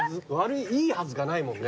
いいはずがないもんね。